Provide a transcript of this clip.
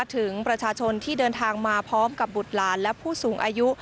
ถึงประชาชนที่เดินทางมาพร้อมกับบุตรหลานและผู้สูงอายุ